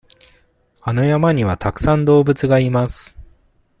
あの山にはたくさん動物がいます。